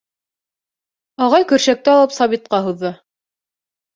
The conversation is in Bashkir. Ағай көршәкте алып Сабитҡа һуҙҙы.